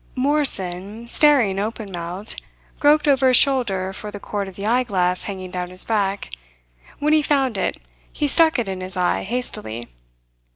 Morrison, staring open mouthed, groped over his shoulder for the cord of the eyeglass hanging down his back. When he found it, he stuck it in his eye hastily.